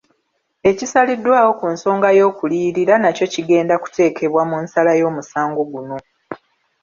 Ekisaliddwawo ku nsonga y’okuliyirira nakyo kigenda kuteekebwa mu nsala y’omusango guno.